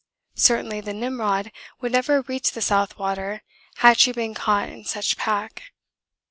Certainly the Nimrod would never have reached the south water had she been caught in such pack.